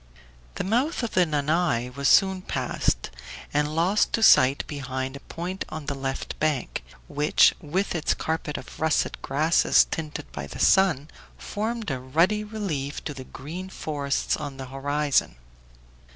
The mouth of the Nanay was soon passed, and lost to sight behind a point on the left bank, which, with its carpet of russet grasses tinted by the sun, formed a ruddy relief to the green forests on the horizon.